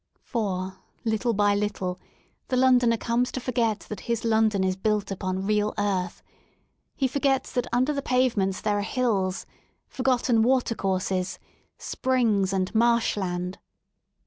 For, little by little, the Londoner comes to forget that his London is built upon real earth: he forgets that under the pavements there are hills, forgotten water courses, springs and marshland.